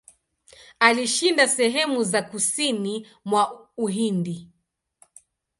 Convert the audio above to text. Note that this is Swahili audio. Alishinda sehemu za kusini mwa Uhindi.